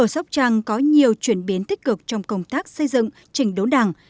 sóc trăng có nhiều chuyển biến tích cực trong công tác xây dựng trình đốn đảng